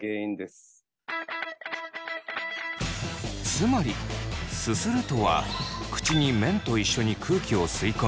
つまり「すする」とは口に麺と一緒に空気を吸い込み